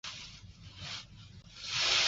叉膜石蛏为贻贝科石蛏属的动物。